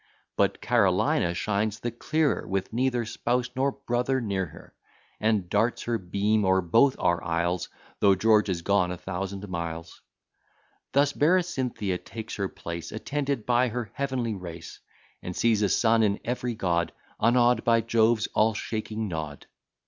But Carolina shines the clearer With neither spouse nor brother near her: And darts her beams o'er both our isles, Though George is gone a thousand miles. Thus Berecynthia takes her place, Attended by her heavenly race; And sees a son in every God, Unawed by Jove's all shaking nod.